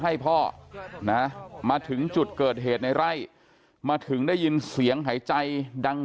ให้พ่อนะมาถึงจุดเกิดเหตุในไร่มาถึงได้ยินเสียงหายใจดัง